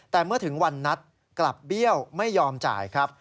แต่เมื่อถึงวันนัดกลับเบี้ยวไม่ยอมจ่ายครับ